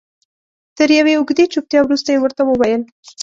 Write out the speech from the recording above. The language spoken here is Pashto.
تر یوې اوږدې چوپتیا وروسته یې ورته وویل.